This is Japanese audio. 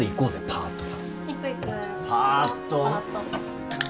パーッと？